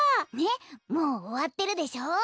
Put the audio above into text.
ねっもうおわってるでしょ？